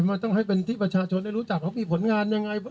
มันต้องให้เป็นที่ประชาชนได้รู้จักว่ามีผลงานยังไง